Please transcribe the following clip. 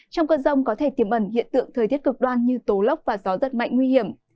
trong cơn rông có thể tiềm ẩn hiện tượng thời tiết cực đoan như tố lốc và gió rất mạnh nguy hiểm